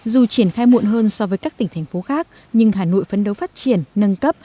dù triển khai muộn hơn so với các tỉnh thành phố khác nhưng hà nội phấn đấu phát triển nâng cấp